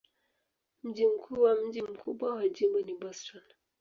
Mji mkuu na mji mkubwa wa jimbo ni Boston.